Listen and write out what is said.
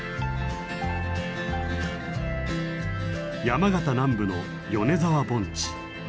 山形南部の米沢盆地。